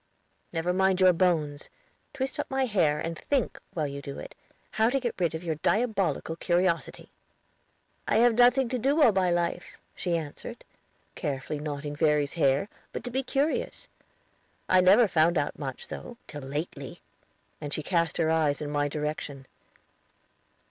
"Never mind your bones. Twist up my hair, and think, while you do it, how to get rid of your diabolical curiosity." "I have had nothing to do all my life," she answered, carefully knotting Verry's hair, "but to be curious. I never found out much, though, till lately"; and she cast her eyes in my direction.